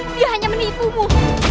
dia hanya menipumu